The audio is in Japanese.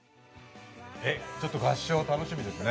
合唱、楽しみですね。